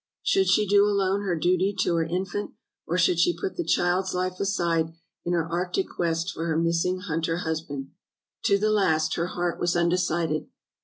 Should she do alone her duty to her infant, or should she put the child's life aside in her arctic quest for her missing hunter husband? To the last her heart was undecided.